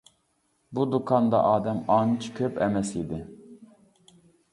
بۇ دۇكاندا ئادەم ئانچە كۆپ ئەمەس ئىدى.